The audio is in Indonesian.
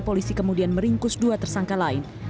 polisi kemudian meringkus dua tersangka lain